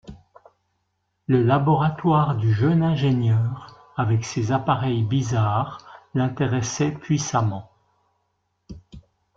Le laboratoire du jeune ingénieur, avec ses appareils bizarres, l’intéressait puissamment.